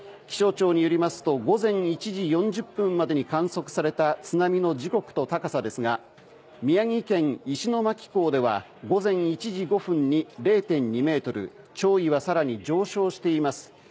気象庁によりますと午前１時４０分までに観測された津波の時刻と高さですが宮城県石巻港では午前１時５分に０．２ｍ潮位は更に上昇しています。